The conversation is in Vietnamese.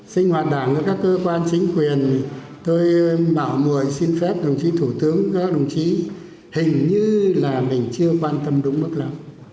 sinh hoạt đảng và các cơ quan chính quyền tôi bảo mồi xin phép đồng chí thủ tướng các đồng chí hình như là mình chưa quan tâm đúng mức lắm